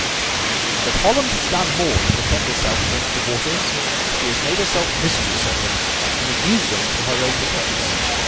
But Holland has done more than defend herself against the waters; she has made herself mistress of them, and has used them for her own defense.